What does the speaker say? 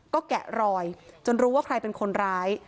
ก็แกะรอยจนรู้ว่าใครเป็นคนร้าย